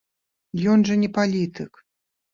Ён жа не палітык!